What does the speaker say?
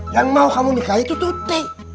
yang mau kamu nikah itu tuti